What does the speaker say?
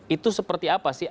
itu seperti apa sih